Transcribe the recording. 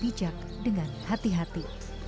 kaki dipijak dengan hati hati